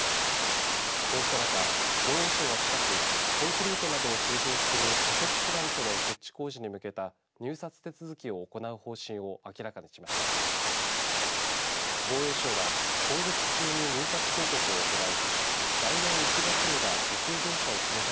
こうした中、防衛省は近くコンクリートなどを製造する仮設プラントの設置工事に向けた入札手続きを行う方針を明らかにしました。